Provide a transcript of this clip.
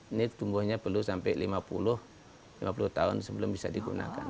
ini tumbuhnya perlu sampai lima puluh lima puluh tahun sebelum bisa digunakan